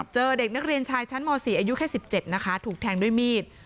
เจอเด็กนักเรียนชายชั้นม๔อายุแค่๑๗นะคะถูกแทงด้วยมีด